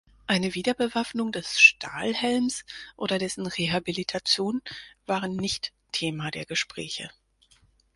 Eine Wiederbewaffnung des "Stahlhelms" oder dessen Rehabilitation waren nicht Thema der Gespräche.